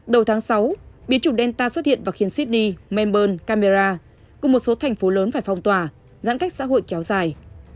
đầu tháng sáu biến chủng delta xuất hiện và khiến sydney memburne camera cùng một số thành phố lớn phải phong tỏa giãn cách xã hội kéo dài